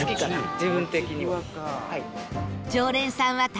自分的には、はい。